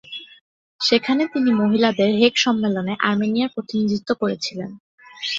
সেখানে তিনি মহিলাদের হেগ সম্মেলনে আর্মেনিয়ার প্রতিনিধিত্ব করেছিলেন।